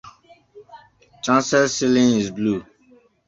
Chancel ceiling is blue.